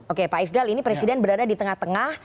oke pak ifdal ini presiden berada di tengah tengah